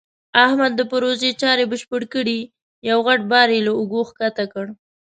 احمد د پروژې چارې بشپړې کړې. یو غټ بار یې له اوږو ښکته کړ.